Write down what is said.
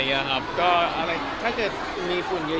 ก็ถ้าจะมีฝุ่นเยอะเราก็จะต้องมีเครื่องเลยนะครับ